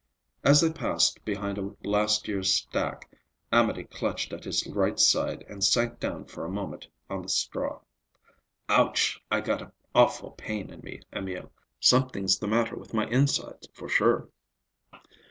As they passed behind a last year's stack, Amédée clutched at his right side and sank down for a moment on the straw. "Ouch! I got an awful pain in me, Emil. Something's the matter with my insides, for sure."